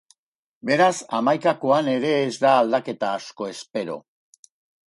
Beraz, hamaikakoan ere ez da aldaketa asko espero.